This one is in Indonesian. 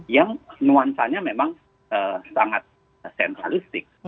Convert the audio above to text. yang nuansanya memang sangat sentralistik